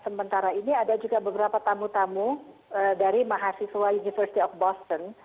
sementara ini ada juga beberapa tamu tamu dari mahasiswa university of boston